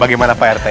bagaimana pak rt